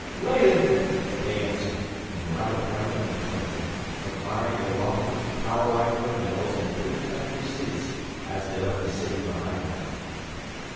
"Leyden," they answered, and were out of Haarlem in a twinkling, admiring the lofty, towerlike windmills and pretty country seats as they left the city behind them.